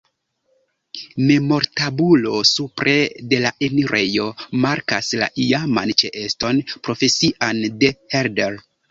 Memortabulo supre de la enirejo markas la iaman ĉeeston profesian de Herder.